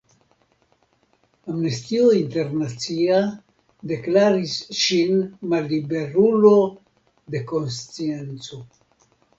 Amnestio Internacia deklaris ŝin malliberulo de konscienco.